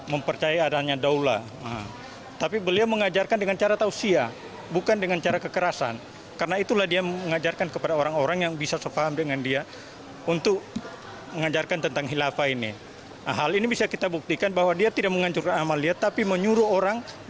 dengan apa memang berarti di sini tidak mengajarkan atau siap bukan dengan cara kekerasan karena itulah dia mengajarkan kepada orang orang yang bisa terpahami dengan dia untuk mengajarkan tentang hilafah ini hal ini bisa kita buktikan bahwa dia tidak mengatur amalia tapi menyuruh orang berangkat ke suria